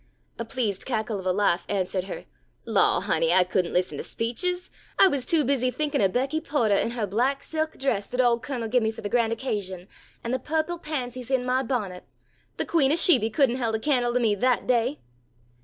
A pleased cackle of a laugh answered her. "Law, honey, I couldn't listen to speeches! I was too busy thinkin' of Becky Potah in her black silk dress that ole Cun'l give me for the grand occasion, an' the purple pansies in my bonnet. The queen o' Sheby couldn't held a can'le to me that day."